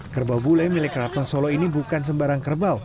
kerbau bule milik keraton solo ini bukan sembarang kerbau